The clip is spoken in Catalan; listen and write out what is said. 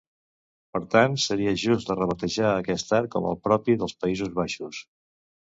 Per tant, seria just rebatejar aquest art com el propi dels Països Baixos.